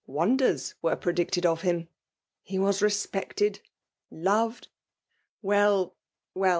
Wonders were predicted of him. He was respected,^— loved«— Well, well